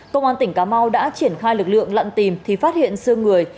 công an tỉnh cà mau đã triển khai lực lượng lặn tìm thì phát hiện sương người